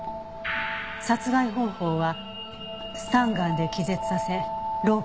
殺害方法はスタンガンで気絶させロープで絞殺。